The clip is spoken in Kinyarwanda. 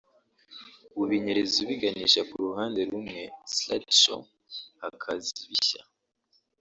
ubinyereza ubiganisha ku ruhande rumwe (slide show) hakaza ibishya